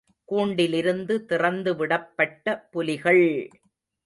கூண்டிலிருந்து திறந்து விடப்பட்ட புலிகள்!